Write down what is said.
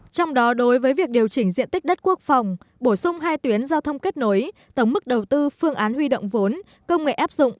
trong đó đối với việc điều chỉnh diện tích đất quốc phòng bổ sung hai tuyến giao thông kết nối tổng mức đầu tư phương án huy động vốn công nghệ áp dụng